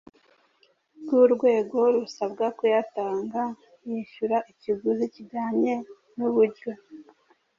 bwurwego rusabwa kuyatanga, yishyura ikiguzi kijyanye n’uburyo